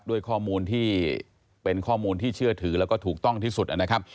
ด้วยข้อมูลที่เป็นข้อมูลที่เชื่อถือแล้วก็ถูกต้องที่สุดนะครับ